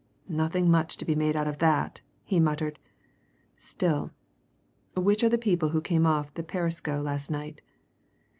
"Nothing much to be made out of that!" he muttered. "Still which are the people who came off the Perisco last night?"